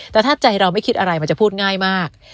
แต่ถ้าใจเราไม่คิดอะไรมันจะพูดง่ายมาก